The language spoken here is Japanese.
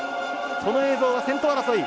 この映像は先頭争い。